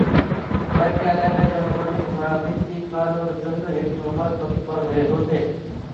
কয়েকটি এলাকায় জনমনে ভয়ভীতি ছড়ানোর জন্য একটি মহল তৎপর হয়ে ওঠে।